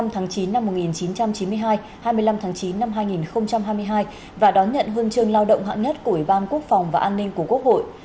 hai mươi tháng chín năm một nghìn chín trăm chín mươi hai hai mươi năm tháng chín năm hai nghìn hai mươi hai và đón nhận huân chương lao động hạng nhất của ủy ban quốc phòng và an ninh của quốc hội